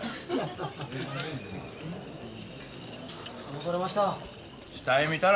どうされました？